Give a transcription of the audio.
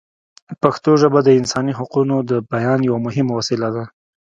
پښتو ژبه د انساني حقونو د بیان یوه مهمه وسیله ده.